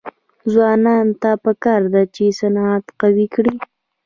ځوانانو ته پکار ده چې، صنعت قوي کړي.